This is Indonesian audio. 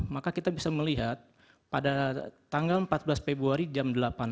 maka kita bisa melihat pada tanggal empat belas februari jam delapan